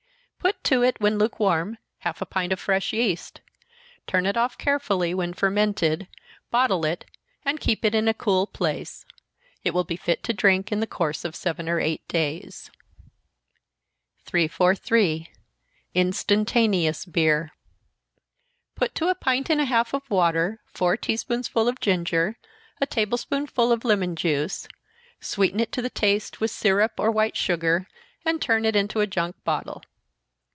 Put to it, when lukewarm, half a pint of fresh yeast. Turn it off carefully, when fermented, bottle it, and keep it in a cool place. It will be fit to drink in the course of seven or eight days. 343. Instantaneous Beer. Put to a pint and a half of water four tea spoonsful of ginger, a table spoonful of lemon juice sweeten it to the taste with syrup or white sugar, and turn it into a junk bottle.